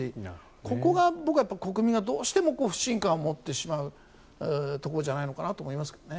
ここが僕は国民がどうしても不信感を持ってしまうところじゃないかなと思いますけどね。